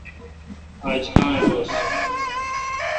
آج گاں اؘ دوس۔